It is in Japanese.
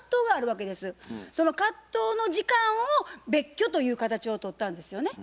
その葛藤の時間を別居という形を取ったんですよね。